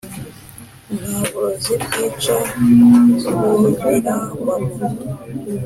nta burozi bwica bubirangwamo,